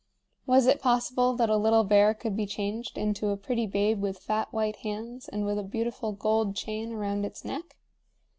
Was it possible that a little bear could be changed into a pretty babe with fat white hands and with a beautiful gold chain around its neck?